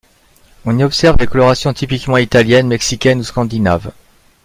On observe des colorations typiquement italiennes, mexicaines ou scandinaves.